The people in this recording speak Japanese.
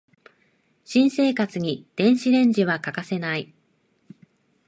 新生活に電子レンジは欠かせない